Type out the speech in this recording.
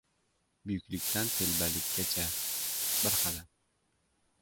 • Buyuklikdan telbalikkacha ― bir qadam.